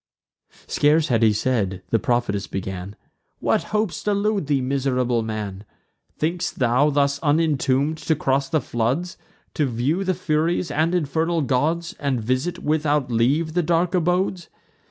Scarce had he said, the prophetess began: "What hopes delude thee, miserable man? Think'st thou, thus unintomb'd, to cross the floods, To view the Furies and infernal gods, And visit, without leave, the dark abodes?